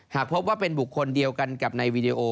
หากพบว่าเป็นบุคคลเดียวกันกับในวีดีโอ